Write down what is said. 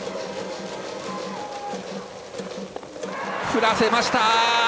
振らせました！